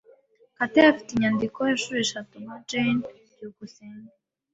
Kate afite inyandiko inshuro eshatu nka Jane. byukusenge